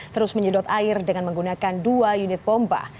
terus menyedot air dengan menggunakan dua unit pompa